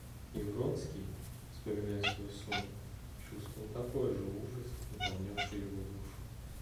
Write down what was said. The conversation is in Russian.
И Вронский, вспоминая свой сон, чувствовал такой же ужас, наполнявший его душу.